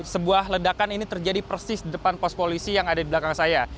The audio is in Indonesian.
sebuah ledakan ini terjadi persis di depan pos polisi yang ada di belakang saya